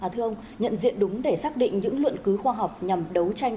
thưa ông nhận diện đúng để xác định những luận cứu khoa học nhằm đấu tranh